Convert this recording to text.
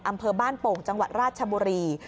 อำเภอบ้านโป่งจังหวัดราชบุรี